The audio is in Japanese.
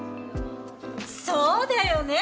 そうだよね？